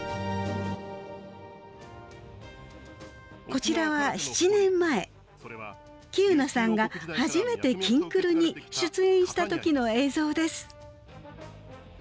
こちらは７年前喜友名さんが初めて「きんくる」に出演した時の映像です。